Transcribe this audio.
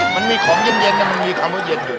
มันมีของเย็นมันมีคำว่าเย็นอยู่